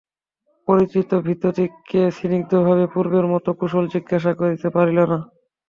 পরিচিত ভৃত্যদিগকে সে স্নিগ্ধভাবে পূর্বের মতো কুশল জিজ্ঞাসা করিতে পারিল না।